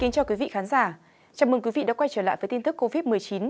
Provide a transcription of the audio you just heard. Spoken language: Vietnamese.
chào mừng quý vị đến quay trở lại với tin tức covid một mươi chín